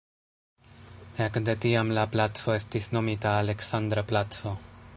Ekde tiam la placo estis nomita "Aleksandra placo".